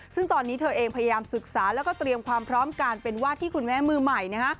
ซึ่งตอนนี้เธอเองพยายามศึกษาแล้วก็เตรียมความพร้อมการเป็นวาดที่คุณแม่มือใหม่นะฮะ